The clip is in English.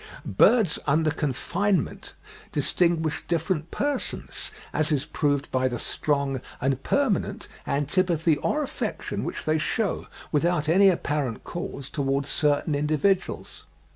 Birds under confinement distinguish different persons, as is proved by the strong and permanent antipathy or affection which they shew, without any apparent cause, towards certain individuals.